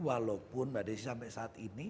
walaupun mbak desi sampai saat ini